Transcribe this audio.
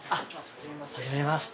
はじめまして。